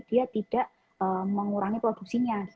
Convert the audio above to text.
dia tidak mengurangi produksinya